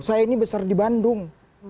saya ini besar di bandung